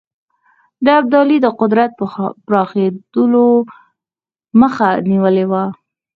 د ابدالي د قدرت پراخېدلو مخه نیولې وه.